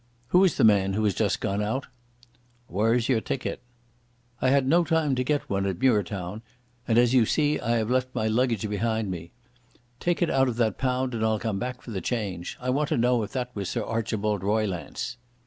"Who is the man who has just gone out?" "Whaur's your ticket?" "I had no time to get one at Muirtown, and as you see I have left my luggage behind me. Take it out of that pound and I'll come back for the change. I want to know if that was Sir Archibald Roylance."